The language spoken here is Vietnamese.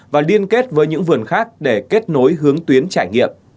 và liên kết với những vườn khác để kết nối hướng tuyến trải nghiệm